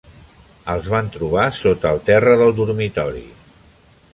Els van trobar sota el terra del dormitori.